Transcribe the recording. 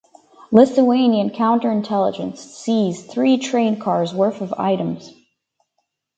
Lithuanian counterintelligence seized three train cars worth of items.